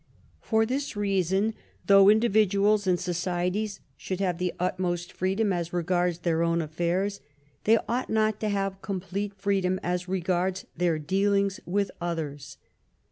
For this reason, although individuals and societies should have the utmost freedom as regards their own affairs, they ought not to have complete freedom as regards their dealings with others.